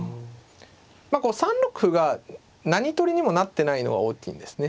まあこう３六歩が何取りにもなってないのが大きいんですね。